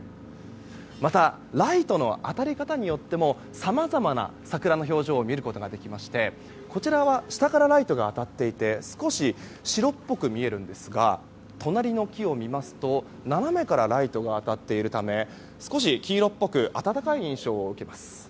またライトの当たり方によってもさまざまな桜の表情を見ることができましてこちらは下からライトが当たっていて少し、白っぽく見えるんですが隣の木を見ますと斜めからライトが当たっているため少し黄色っぽく温かい印象を受けます。